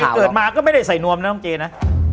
เกิดมาก็ไม่ได้ใส่นวมนะน้องเจนะ